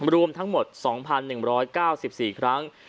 รวมทั้งหมด๒๑๙๔ครั้ง